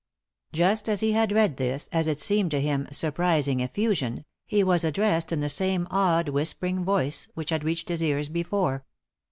Just as he had read this, as it seemed to him, surprising effusion, he was addressed in the same odd whispering voice which had reached his ears before.